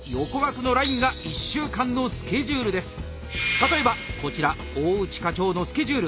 例えばこちら大内課長のスケジュール。